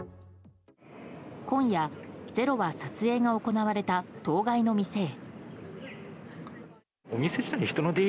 今夜「ｚｅｒｏ」は撮影が行われた当該の店へ。